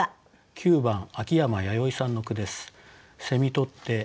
９番穐山やよいさんの句です。